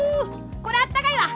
これはあったかいわ。